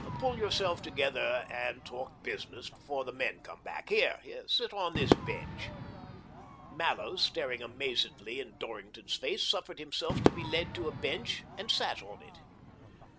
... Pull yourself together and talk business before the men come back. Here, sit on this bench," Mallows, staring amazedly in Dorrington's face, suffered himself to be led to a bench, and sat on it.